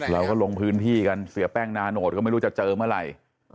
เราก็ลงพื้นที่กันเสียแป้งนาโนตก็ไม่รู้จะเจอเมื่อไหร่